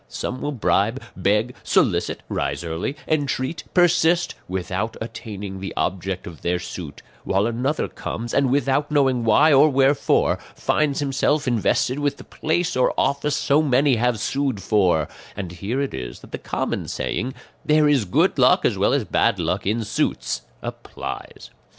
Some will bribe, beg, solicit, rise early, entreat, persist, without attaining the object of their suit; while another comes, and without knowing why or wherefore, finds himself invested with the place or office so many have sued for; and here it is that the common saying, 'There is good luck as well as bad luck in suits,' applies.